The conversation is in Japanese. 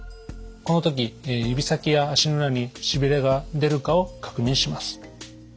この時指先や足の裏にしびれが出るかを確認します。